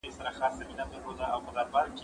کتاب واخله؟!